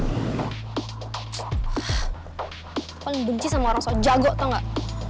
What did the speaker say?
gue paling benci sama orang soal jago tau gak